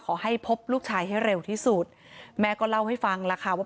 พบลูกชายให้เร็วที่สุดแม่ก็เล่าให้ฟังแล้วค่ะว่า